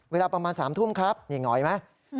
เวลาประมาณ๓ทุ่มครับนี่หงอยไหม